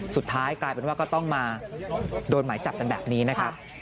สุดท้ายกลายเป็นว่าก็ต้องมาโดนหมายจับกันแบบนี้นะครับ